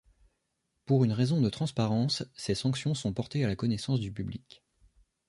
Pour une raison de transparence, ces sanctions sont portées à la connaissance du public.